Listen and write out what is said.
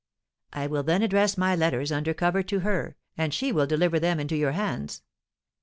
"I will then address my letters under cover to her, and she will deliver them into your hands.